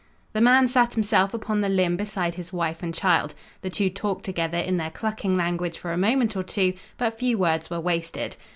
The man sat himself upon the limb beside his wife and child. The two talked together in their clucking language for a moment or two, but few words were wasted.